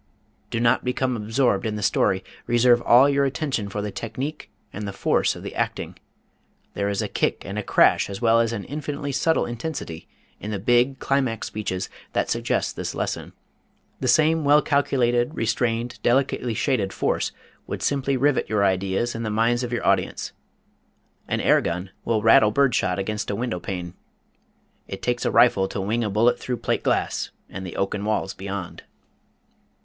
Do not become absorbed in the story; reserve all your attention for the technique and the force of the acting. There is a kick and a crash as well as an infinitely subtle intensity in the big, climax speeches that suggest this lesson: the same well calculated, restrained, delicately shaded force would simply rivet your ideas in the minds of your audience. An air gun will rattle bird shot against a window pane it takes a rifle to wing a bullet through plate glass and the oaken walls beyond.